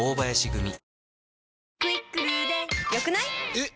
えっ！